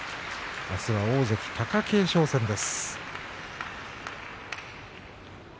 あすは大関貴景勝戦です。